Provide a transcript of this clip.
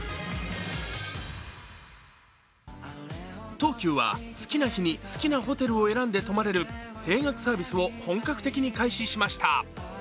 東急は好きな日に好きなホテルを選んで泊まれる定額サービスを本格的に開始しました。